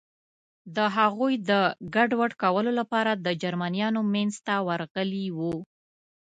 د هغوی د ګډوډ کولو لپاره د جرمنیانو منځ ته ورغلي و.